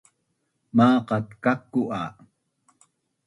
Maqat kaku’ a